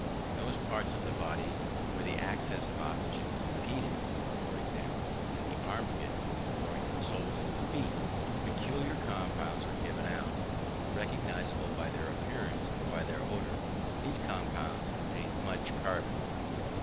In those parts of the body where the access of oxygen is impeded; for example, in the arm pits, or in the soles of the feet, peculiar compounds are given out, recognisable by their appearance, or by their odour. These compounds contain much carbon.